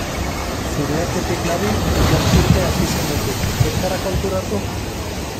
Zure atzetik nabil ikasturtea hasi zenetik, ez zara konturatu?